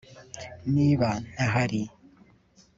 niba ntahari